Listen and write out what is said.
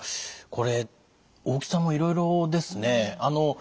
これ大きさもいろいろですね。